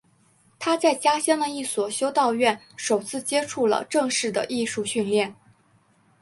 他在家乡的一所修道院首次接触了正式的艺术训练。